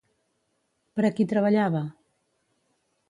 Per a qui treballava?